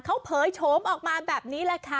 เขาเผยโฉมออกมาแบบนี้แหละค่ะ